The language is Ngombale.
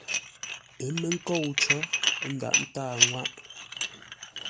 Ə́ mə́ nkôu có, ə́ ndaghʼ ńtâa ŋwâʼ.